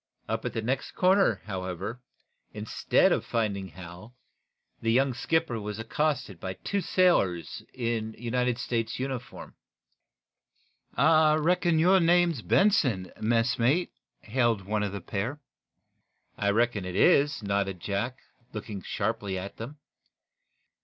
Up at the next corner, however, instead of finding Hal, the young skipper was accosted by two sailors in United States naval uniform. "I reckon your name's Benson, messmate?" hailed one of the pair. "I reckon it is," nodded Jack, looking sharply at them.